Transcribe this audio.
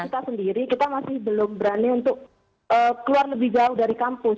kita sendiri kita masih belum berani untuk keluar lebih jauh dari kampus